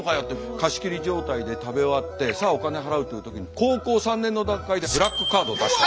貸し切り状態で食べ終わってさあお金を払うという時に高校３年の段階でブラックカードを出した。